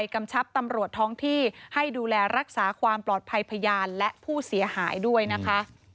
กำชับตำรวจท้องที่ให้ดูแลรักษาความปลอดภัยพยานและผู้เสียหายด้วยนะคะ